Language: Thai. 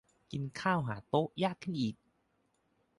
กินข้าวหาโต๊ะยากขึ้นอีก